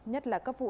nhất là các vụ